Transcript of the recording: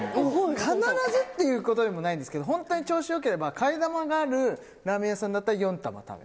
必ずっていうことでもないんですけど、本当に調子よければ、替え玉があるラーメン屋さんだったら４玉食べる。